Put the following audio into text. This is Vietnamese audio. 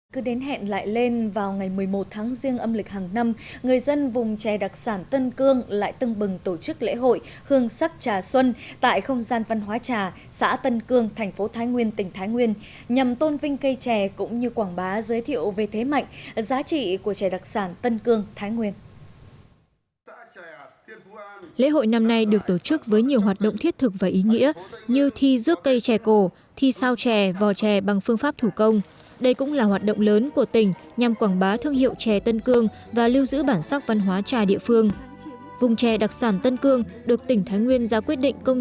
cứ đến hẹn lại lên vào ngày một mươi một tháng riêng âm lịch hàng năm người dân vùng trẻ đặc sản tân cương lại tưng bừng tổ chức lễ hội hương sắc trà xuân tại không gian văn hóa trà xã tân cương thành phố thái nguyên tỉnh thái nguyên nhằm tôn vinh cây trẻ cũng như quảng bá giới thiệu về thế mạnh giá trị của trẻ đặc sản tân cương thái nguyên